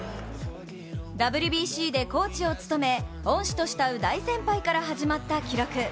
ＷＢＣでコーチを務め、恩師と慕う大先輩から始まった記録。